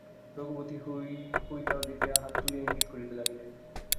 রঘুপতি পইতা দেখাইয়া হাত তুলিয়া ইঙ্গিত করিতে লাগিলেন।